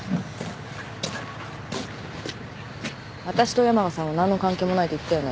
わたしと山賀さんは何の関係もないって言ったよね。